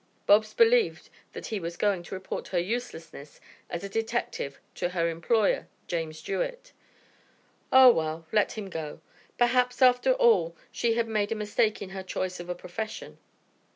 Bobs believed that he was going to report her uselessness as a detective to her employer, James Jewett. Ah, well, let him go. Perhaps after all she had made a mistake in her choice of a profession.